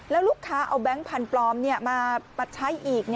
แล้วลูกค้าเอาแบงค์พันธุ์ปลอมมาใช้อีก